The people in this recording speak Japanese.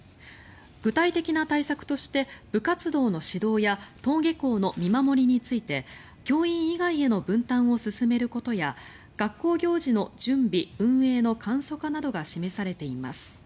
具体的な対策として部活動の指導や登下校の見守りについて教員以外への分担を進めることや学校行事の準備・運営の簡素化などが示されています。